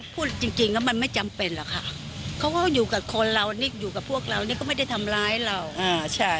พูดจริงมันไม่จำเป็นหรอกค่ะเขาก็อยู่กับคนเราอยู่กับพวกเรานี่ก็ไม่ได้ทำร้ายเรา